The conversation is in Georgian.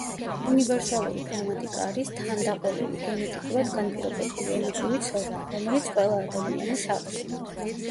უნივერსალური გრამატიკა არის თანდაყოლილი, გენეტიკურად განპირობებული ენობრივი ცოდნა, რომელიც ყველა ადამიანის აქვს.